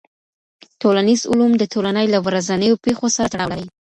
ټولنیز علوم د ټولني له ورځنیو پېښو سره تړاو لري.